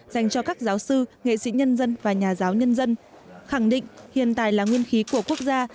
dành cho các giáo sư nghệ sĩ nhân dân và nhà giáo nhân dân khẳng định hiện tài là nguyên khí của quốc gia